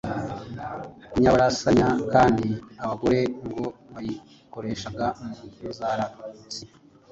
inyabarasanya kandi, abagore ngo bayikoreshaga mu nzaratsi,